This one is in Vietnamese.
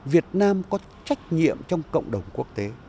việt nam có trách nhiệm trong cộng đồng quốc tế